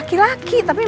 tidak ada apa apa